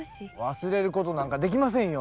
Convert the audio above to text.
忘れることなどできません。